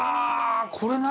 これ何？